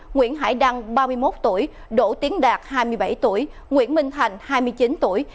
nguyễn hải đăng ba mươi một tuổi đỗ tiến đạt hai mươi bảy tuổi nguyễn minh thành hai mươi chín tuổi